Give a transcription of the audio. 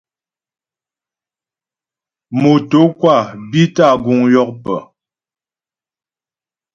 Motǒkwâ bi tâ guŋ yókpə.